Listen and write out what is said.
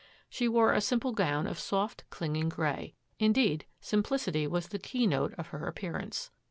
She wore a simple gown of soft, cling ing grey. Indeed, simplicity was the keynote of her appearance.